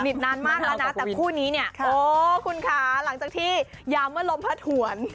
นานมากแล้วนะแต่คู่นี้เนี่ยโอ้คุณค่ะหลังจากที่ยาเมื่อลมพัดถวน